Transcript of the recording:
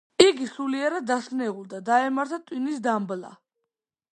იგი სულიერად დასნეულდა, დაემართა ტვინის დამბლა.